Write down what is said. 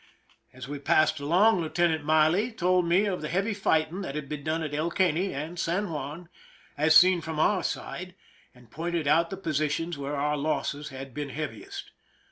As we passed along, Lieutenant Miley told me of the heavy fighting that had been done at El Caney and San Juan, as seen from our side, and pointed out the positions where our losses had been heaviest.